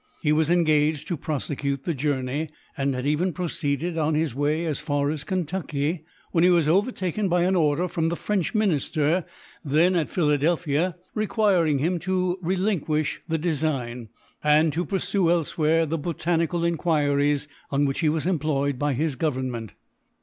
He was engaged to prosecute the journey, and had even proceeded on his way as far as Kentucky, when he was overtaken by an order from the French minister, then at Philadelphia, requiring him to relinquish the design, [page 45:] and to pursue elsewhere the botanical inquiries on which he was employed by his government.